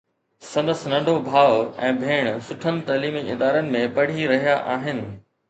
سندس ننڍو ڀاءُ ۽ ڀيڻ سٺن تعليمي ادارن ۾ پڙهي رهيا آهن.